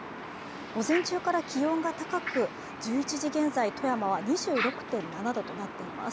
午前中から気温が高く１１時現在富山は２６．７度となっています。